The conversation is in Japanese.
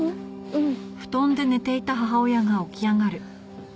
うん。